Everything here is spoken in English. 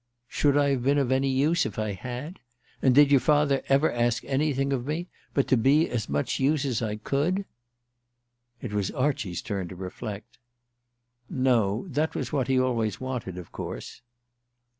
"Should I have been of any use if I had? And did your father ever ask anything of me but to be of as much use as I could?" It was Archie's turn to reflect. "No. That was what he always wanted, of course."